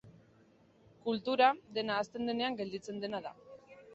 Kultura, dena ahazten denean gelditzen dena da.